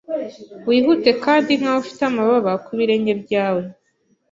Wihute kandi nkaho ufite amababa kubirenge byawe